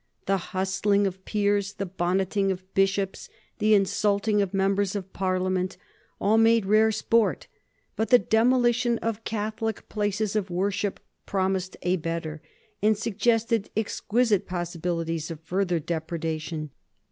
The hustling of peers, the bonneting of bishops, the insulting of members of Parliament, all made rare sport; but the demolition of Catholic places of worship promised a better, and suggested exquisite possibilities of further depredation.